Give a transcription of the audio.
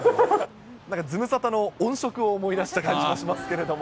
なんか、ズムサタの音色を思い出した感じもしますけれども。